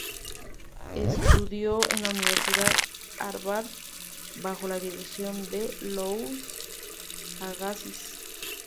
Estudió en la Universidad Harvard bajo la dirección de Louis Agassiz.